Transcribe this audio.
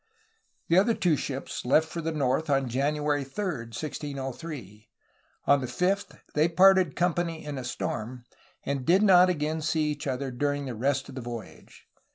The other two ships left for the north on January 3, 1603. On the 5th they parted company in a storm, and did not again see each other during the rest of the voyage.